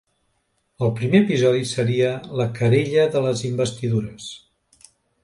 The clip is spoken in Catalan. El primer episodi seria la querella de les investidures.